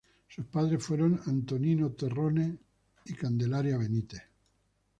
Sus Padres fueron Antonino Terrones y Candelaria Benítez.